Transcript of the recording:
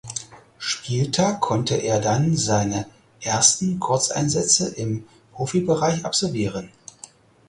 Spieltag konnte er dann seine ersten Kurzeinsätze im Profibereich absolvieren.